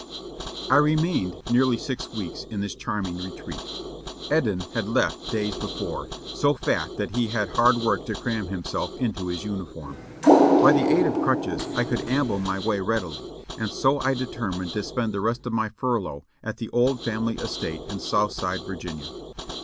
I remained nearly six weeks in this charming retreat. EdeHn had left days before, so fat that he had hard work to cram him self into his uniform. By the aid of crutches I could amble my way readily, and so I determined to spend the rest of my fur lough at the old family estate in south side Virginia.